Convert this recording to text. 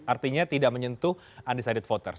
artinya tidak menyentuh undecided voters